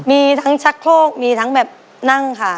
มีทั้งชักโครกมีทั้งแบบนั่งค่ะ